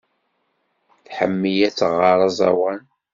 Tḥemmel ad tɣer aẓawan.